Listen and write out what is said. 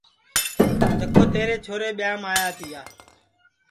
جکو تیرے چھورے ٻیاںٚم آیا تیا